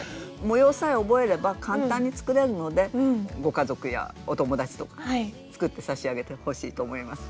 模様さえ覚えれば簡単に作れるのでご家族やお友達とかね作ってさしあげてほしいと思います。